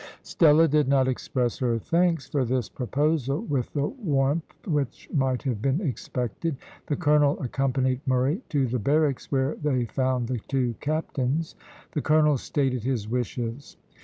Stella did not express her thanks for this proposal with the warmth which might have been expected. The colonel accompanied Murray to the barracks, where they found the two captains. The colonel stated his wishes.